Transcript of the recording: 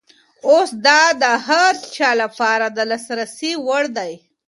اوس دا د هر چا لپاره د لاسرسي وړ دی.